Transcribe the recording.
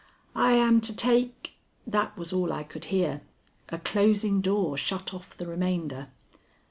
"I am to take " That was all I could hear; a closing door shut off the remainder.